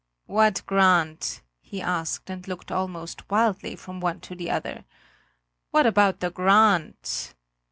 "What grant?" he asked and looked almost wildly from one to the other. "What about the grant?"